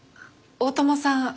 大友さん